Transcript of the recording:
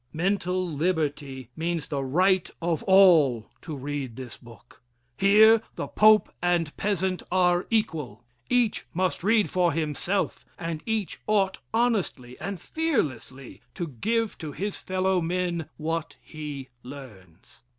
Mental liberty means the right of all to read this book. Here the Pope and Peasant are equal. Each must read for himself and each ought honestly and fearlessly to give to his fellow men what he learns.